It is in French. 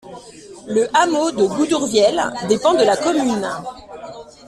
Le hameau de Goudourvielle dépend de la commune.